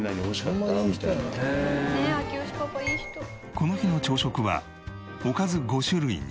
この日の朝食はおかず５種類に。